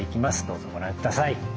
どうぞご覧ください。